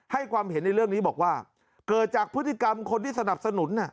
ความเห็นในเรื่องนี้บอกว่าเกิดจากพฤติกรรมคนที่สนับสนุน